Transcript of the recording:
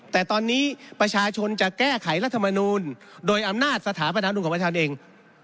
แต่ตอนนี้ประชาชนจะแก้ไขรัฐมนูลโดยอำนาจสถาปนามนุนของประชาชนเอง